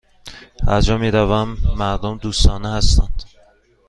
هرجا می روم، مردم دوستانه هستند.